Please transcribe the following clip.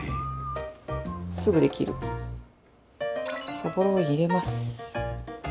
そぼろを入れます。